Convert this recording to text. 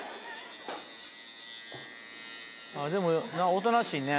でもおとなしいね。